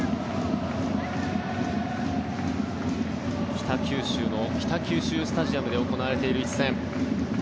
北九州の北九州スタジアムで行われている一戦。